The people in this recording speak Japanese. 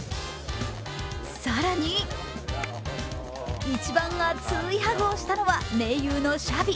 更に一番熱いハグをしたのは盟友のシャビ。